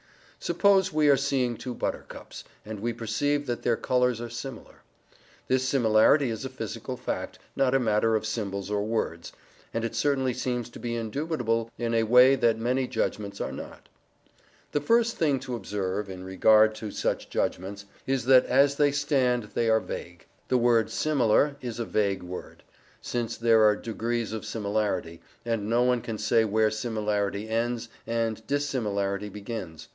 Suppose we are seeing two buttercups, and we perceive that their colours are similar. This similarity is a physical fact, not a matter of symbols or words; and it certainly seems to be indubitable in a way that many judgments are not. The first thing to observe, in regard to such judgments, is that as they stand they are vague. The word "similar" is a vague word, since there are degrees of similarity, and no one can say where similarity ends and dissimilarity begins.